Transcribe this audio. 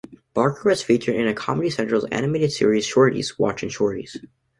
Barker was featured in Comedy Central's animated series Shorties Watchin' Shorties.